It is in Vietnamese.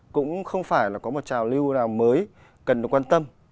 cũng không phải là có một trào lưu nào mới cần được quan tâm